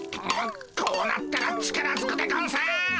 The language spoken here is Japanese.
こうなったら力ずくでゴンス！